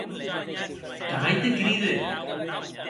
Ta mair te cride.